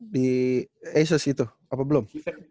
di asus itu apa belum